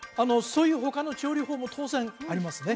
そういう他の調理法も当然ありますね